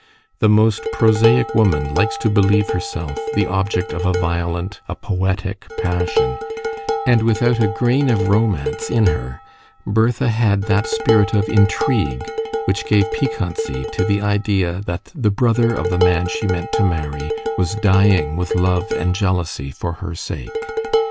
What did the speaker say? The most prosaic woman likes to believe herself the object of a violent, a poetic passion; and without a grain of romance in her, Bertha had that spirit of intrigue which gave piquancy to the idea that the brother of the man she meant to marry was dying with love and jealousy for her sake.